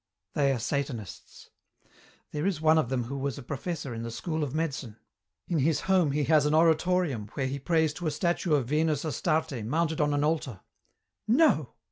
"They are Satanists. There is one of them who was a professor in the School of Medicine. In his home he has an oratorium where he prays to a statue of Venus Astarte mounted on an altar." "No!"